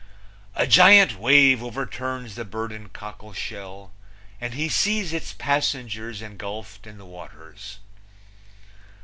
A giant wave overturns the burdened cockleshell and he sees its passengers engulfed in the waters.